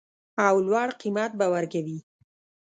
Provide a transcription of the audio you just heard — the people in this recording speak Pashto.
او لوړ قیمت به ورکوي